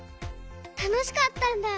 たのしかったんだ。